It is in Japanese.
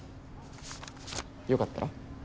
よかったら？